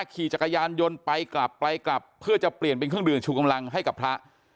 ขี่จักรยานยนต์ไปกลับไปกลับเพื่อจะเปลี่ยนเป็นเครื่องดื่มชูกำลังให้กับพระ